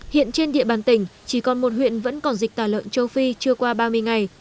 hiện trên địa bàn tỉnh chỉ còn một huyện vẫn còn dịch tả lợn châu phi chưa qua ba mươi ngày